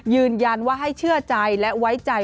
ยืนยันว่าให้เชื่อใจและไว้ใจ